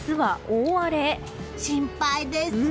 心配です。